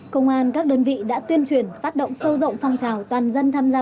công an các đơn vị đã tuyên truyền phát động sâu rộng phong trào toàn dân tham gia